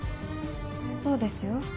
そうですよ。